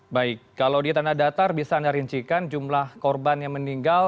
baik kalau di tanah datar bisa anda rincikan jumlah korban yang meninggal